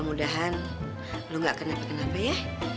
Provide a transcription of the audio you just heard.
kemudahan lo gak kena apa kenapa ya